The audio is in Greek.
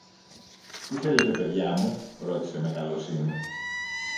Τι θέλετε, παιδιά μου; ρώτησε με καλοσύνη.